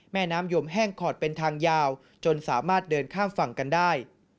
แม่น้ำยมแห้งขอดเป็นทางยาวจนสามารถเดินข้ามฝั่งกันได้